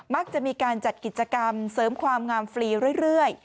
มักจะมีการจัดกิจกรรมเสริมความงามฟรีเรื่อย